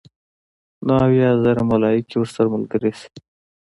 نو اويا زره ملائک ورسره ملګري شي